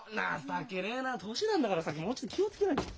情けねえな年なんだからさもうちょっと気を付けなきゃ。